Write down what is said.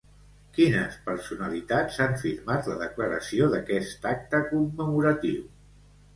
Quines personalitats han firmat la declaració d'aquest acte commemoratiu?